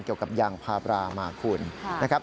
เกี่ยวกับยางพาบรามาคุณนะครับ